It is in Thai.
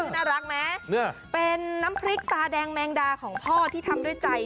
น่ารักไหมเป็นน้ำพริกตาแดงแมงดาของพ่อที่ทำด้วยใจ